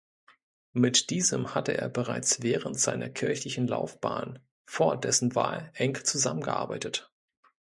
Mit diesem hatte er bereits während seiner kirchlichen Laufbahn vor dessen Wahl eng zusammengearbeitet.